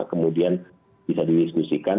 kemudian bisa didiskusikan